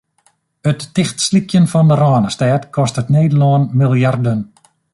It tichtslykjen fan de Rânestêd kostet Nederlân miljarden.